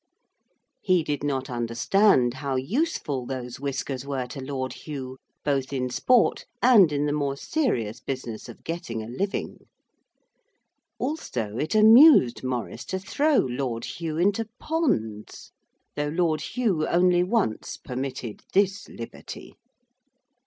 He did not understand how useful those whiskers were to Lord Hugh, both in sport and in the more serious business of getting a living. Also it amused Maurice to throw Lord Hugh into ponds, though Lord Hugh only once permitted this liberty.